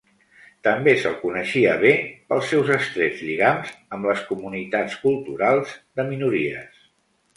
També se'l coneixia bé pels seus estrets lligams amb les "comunitats culturals" de minories.